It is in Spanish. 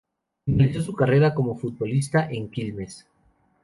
Finalizó su carrera como futbolista en Quilmes.